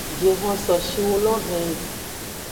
Jihon so shiwu lo henyi.